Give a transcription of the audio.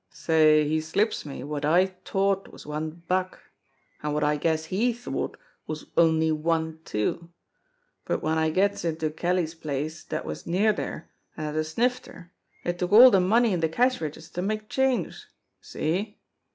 Say, he slips me wot I t'ought was one buck, an' wot I guess he t'ought was only one too, but w'en I gets into Kelly's place dat was near dere an' had a snifter it took all de money in de cash register to make change see?